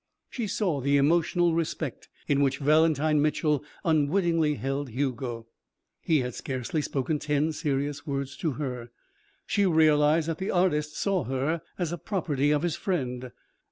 She saw the emotional respect in which Valentine Mitchel unwittingly held Hugo. He had scarcely spoken ten serious words to her. She realized that the artist saw her as a property of his friend.